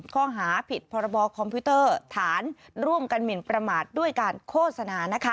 ข้อหาผิดพรบคอมพิวเตอร์ฐานร่วมกันหมินประมาทด้วยการโฆษณา